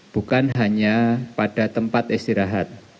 bukan hanya pada tempat istirahat